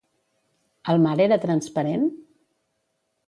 El mar era transparent?